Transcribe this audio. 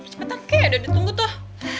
cepetan kaya ada yang ditunggu tuh